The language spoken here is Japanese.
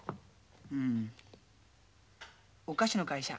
うんお菓子の会社。